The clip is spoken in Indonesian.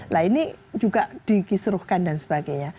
nah ini juga dikisruhkan dan sebagainya